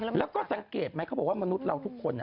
แล้วก็สังเกตไหมเขาบอกว่ามนุษย์เราทุกคน